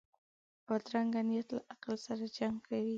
بدرنګه نیت له عقل سره جنګ کوي